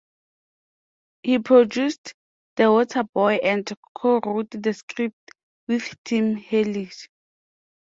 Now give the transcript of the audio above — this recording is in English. He produced "The Waterboy" and co-wrote the script with Tim Herlihy.